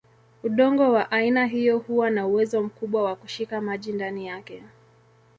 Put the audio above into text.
Udongo wa aina hiyo huwa na uwezo mkubwa wa kushika maji ndani yake.